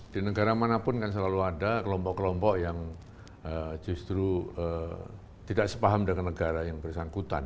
di negara manapun kan selalu ada kelompok kelompok yang justru tidak sepaham dengan negara yang bersangkutan